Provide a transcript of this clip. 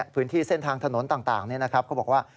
พื้นที่เส้นทางถนนต่างเขาบอกว่า